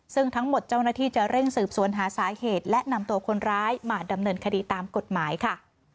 ซึ่งทั้งหมดเจ้าหน้าที่จะเร่งสืบสวนหาสาเหตุและนำตัวคนร้ายมาดำเนินคดีตามกฎหมายค่ะ